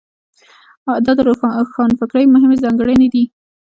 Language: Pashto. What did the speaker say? دا د روښانفکرۍ مهمې ځانګړنې دي.